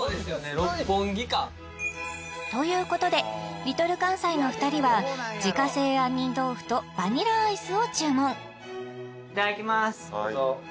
六本木かということでＬｉｌかんさいの２人は自家製杏仁豆腐とバニラアイスを注文いただきます